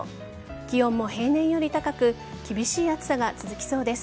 気温も平年より高く厳しい暑さが続きそうです。